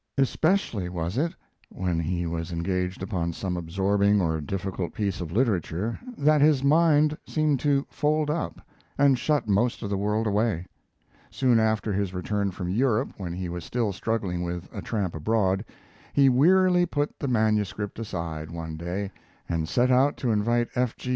Especially was it, when he was engaged upon some absorbing or difficult piece of literature, that his mind seemed to fold up and shut most of the world away. Soon after his return from Europe, when he was still struggling with 'A Tramp Abroad', he wearily put the manuscript aside, one day, and set out to invite F. G.